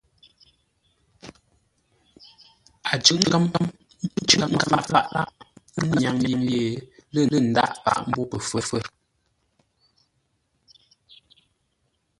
A cʉ̂ʼ kə̌m, cûʼ ngaŋə-faʼ lâʼ, ŋə́ lə́ŋyâŋ ye, lə ndaghʼ fáʼ mbô pəfə̌r.